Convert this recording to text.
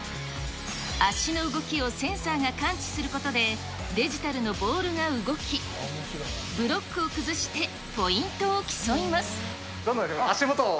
足の動きをセンサーが感知することで、デジタルのボールが動き、ブロックを崩して、ポイントを競足元を。